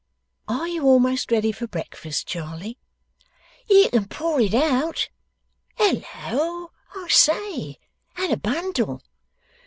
'Are you almost ready for breakfast, Charley?' 'You can pour it out. Hal loa! I say? And a bundle?